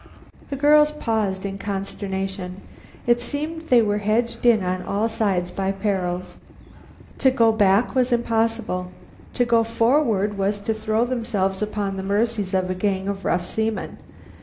The girls paused in consternation. It seemed they were hedged in on all sides by perils. To go back was impossible. To go forward was to throw themselves upon the mercies of a gang of rough seamen.